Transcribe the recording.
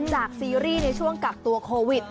ซีรีส์ในช่วงกักตัวโควิด